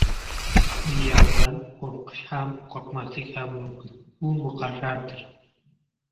O‘lyamdan qo‘rqish ham, qo‘rqmaslik ham mumkin — u muqarrardir.